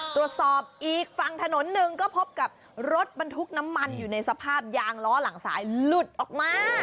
ตรวจสอบอีกฝั่งถนนหนึ่งก็พบกับรถบรรทุกน้ำมันอยู่ในสภาพยางล้อหลังสายหลุดออกมา